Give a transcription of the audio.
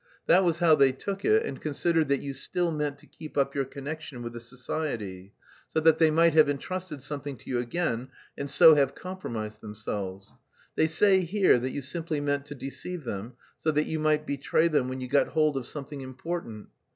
That was how they took it, and considered that you still meant to keep up your connection with the society, so that they might have entrusted something to you again and so have compromised themselves. They say here that you simply meant to deceive them, so that you might betray them when you got hold of something important.